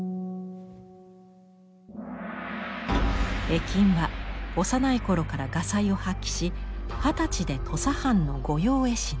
絵金は幼いころから画才を発揮し二十歳で土佐藩の御用絵師に。